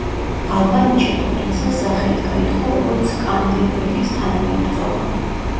ალბანეთში ყოფნისას სახელი გაითქვა როგორც სკანდერბეგის თანამებრძოლმა.